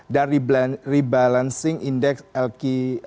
dari rebalancing indeks lk empat puluh lima